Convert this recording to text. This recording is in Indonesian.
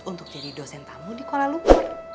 untuk jadi dosen tamu di kuala lumpur